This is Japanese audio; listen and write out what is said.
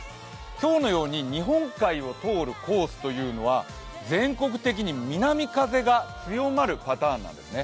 今日のように日本海を通るコースというのは、全国的に雨が強まるパターンなんですね。